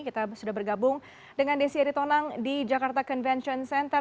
kita sudah bergabung dengan desi aritonang di jakarta convention center